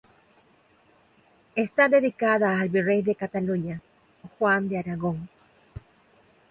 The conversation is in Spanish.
Está dedicada al virrey de Cataluña, Juan de Aragón.